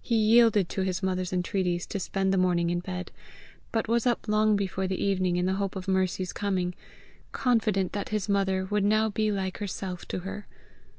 He yielded to his mother's entreaties to spend the morning in bed, but was up long before the evening in the hope of Mercy's coming, confident that his mother would now be like herself to her.